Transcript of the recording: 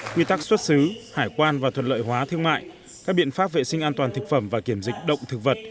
quy tắc xuất xứ hải quan và thuận lợi hóa thương mại các biện pháp vệ sinh an toàn thực phẩm và kiểm dịch động thực vật